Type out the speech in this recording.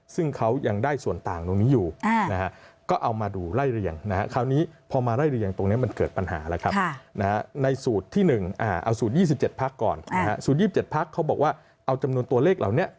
สูตร๒๗พรรคเขาบอกว่าเอาจำนวนตัวเลขเหล่านี้